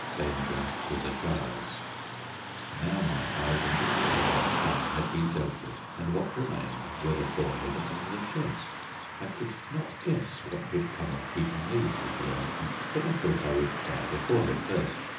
V DANGER TO THE JARS Now my ears and eyes and tongue had been dealt with, and what remained were the forehead and the chest. I could not guess what would come of treating these with the ointment, but I thought I would try the forehead first.